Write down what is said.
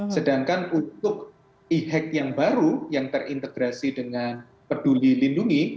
sedangkan untuk e hack yang baru yang terintegrasi dengan peduli lindungi